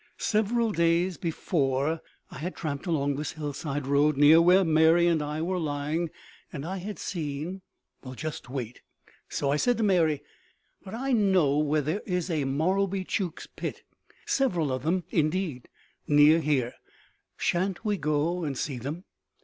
Several days before I had tramped along this hillside road near which Mary and I were lying and I had seen well, just wait. So I said to Mary: "But I know where there is a Morrowbie Jukes pit, several of them, indeed, near here. Sha'n't we go and see them?"